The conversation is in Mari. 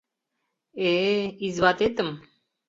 Э-э, изватетым.